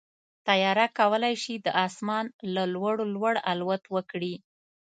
طیاره کولی شي د اسمان له لوړو لوړ الوت وکړي.